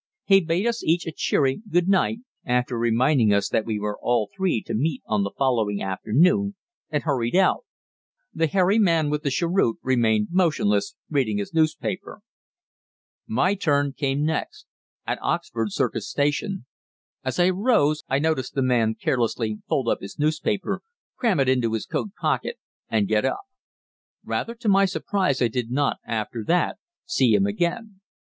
He bade us each a cheery good night, after reminding us that we were all three to meet on the following afternoon, and hurried out. The hairy man with the cheroot remained motionless, reading his newspaper. My turn came next at Oxford Circus station. As I rose, I noticed the man carelessly fold up his newspaper, cram it into his coat pocket, and get up. Rather to my surprise I did not, after that, see him again.